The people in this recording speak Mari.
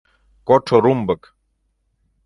КОДШО РУМБЫК